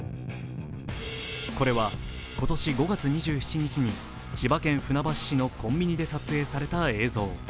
これは今年５月２７日に千葉県船橋市のコンビニで撮影された映像。